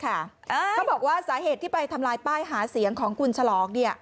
เขาบอกว่าสาเหตุที่ไปทำลายป้ายหาเสียงของคุณฉลอง